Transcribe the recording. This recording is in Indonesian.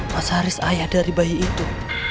mas haris ayah dari bayi itu